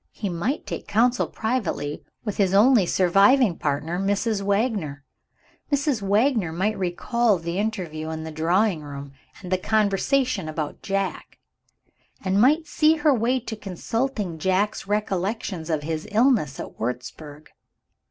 He might take counsel privately with his only surviving partner, Mrs. Wagner. Mrs. Wagner might recall the interview in the drawing room, and the conversation about Jack; and might see her way to consulting Jack's recollections of his illness at Wurzburg.